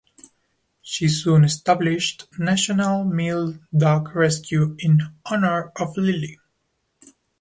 She soon established National Mill Dog Rescue in honor of Lily.